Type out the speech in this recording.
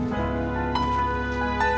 percostum aja daar